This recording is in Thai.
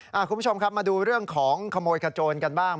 คุณผู้ชมครับมาดูเรื่องของขโมยขโจนกันบ้าง